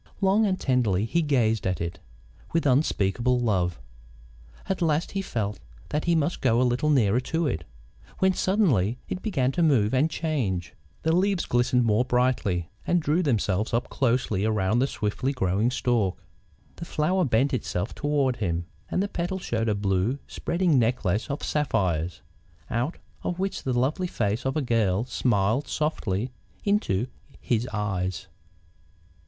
Long and tenderly he gazed at it, with unspeakable love. At last he felt that he must go a little nearer to it, when suddenly it began to move and change. The leaves glistened more brightly, and drew themselves up closely around the swiftly growing stalk. The flower bent itself toward him, and the petals showed a blue, spreading necklace of sapphires, out of which the lovely face of a girl smiled softly into his eyes.